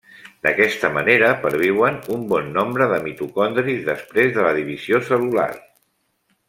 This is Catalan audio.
D'aquesta manera perviuen un bon nombre de mitocondris després de la divisió cel·lular.